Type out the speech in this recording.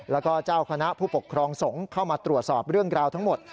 แล้วก็เจ้าคณะผู้ปกครองสงฆ์เข้ามาตรวจสอบเรื่องราวทั้งหมด